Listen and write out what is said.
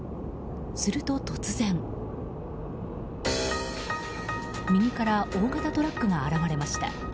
すると突然、右から大型トラックが現れました。